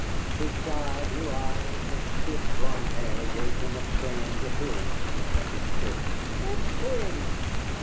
His shy blue eyes and stiff blond hair gave him a strange appearance in a hunting shirt. "Hist to him!